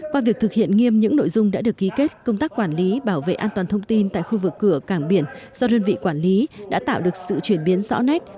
qua việc thực hiện nghiêm những nội dung đã được ký kết công tác quản lý bảo vệ an toàn thông tin tại khu vực cửa cảng biển do đơn vị quản lý đã tạo được sự chuyển biến rõ nét